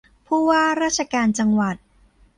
ผู้ว่าราชการจังหวัด